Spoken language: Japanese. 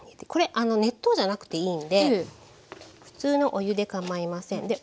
これ熱湯じゃなくていいんで普通のお湯でかまいません。